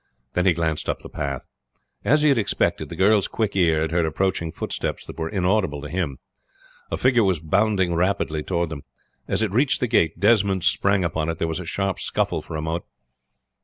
Then he glanced up the path. As he had expected the girl's quick ear had heard approaching footsteps that were inaudible to him. A figure was bounding rapidly toward them. As it reached the gate Desmond sprang upon it. There was a sharp scuffle for a moment.